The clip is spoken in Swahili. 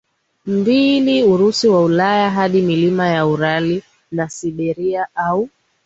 mbili Urusi wa Ulaya hadi milima ya Ural na Siberia au